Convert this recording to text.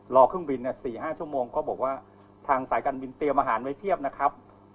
เครื่องบิน๔๕ชั่วโมงก็บอกว่าทางสายการบินเตรียมอาหารไว้เพียบนะครับ